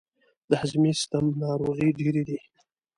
د هضمي سیستم ناروغۍ ډیرې دي.